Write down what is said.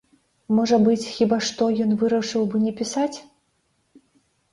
Можа быць, хіба што, ён вырашыў бы не пісаць?